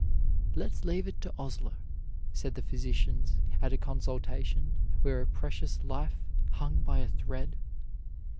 "Let's leave it to Osler," said the physicians at a consultation where a precious life hung by a thread.